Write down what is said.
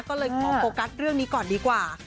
ก็เลยขอโฟกัสเรื่องนี้ก่อนดีกว่า